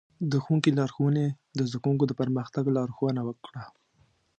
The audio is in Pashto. د ښوونکي لارښوونې د زده کوونکو د پرمختګ لارښوونه وکړه.